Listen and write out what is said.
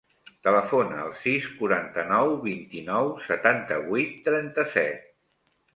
Telefona al sis, quaranta-nou, vint-i-nou, setanta-vuit, trenta-set.